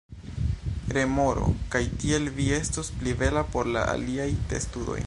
Remoro: "Kaj tiel vi estos pli bela por la aliaj testudoj."